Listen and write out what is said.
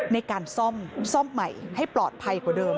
ในการซ่อมซ่อมใหม่ให้ปลอดภัยกว่าเดิม